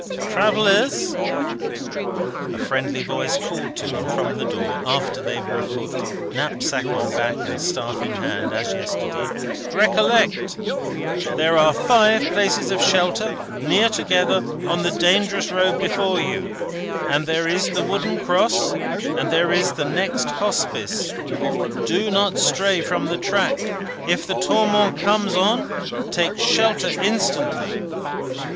"Travellers!" a friendly voice called to them from the door, after they were afoot, knapsack on back and staff in hand, as yesterday; "recollect! There are five places of shelter, near together, on the dangerous road before you; and there is the wooden cross, and there is the next Hospice. Do not stray from the track. If the Tourmente comes on, take shelter instantly!"